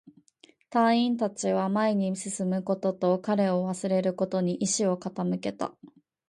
隊員達は前に進むことと、彼を忘れることに意志を傾けた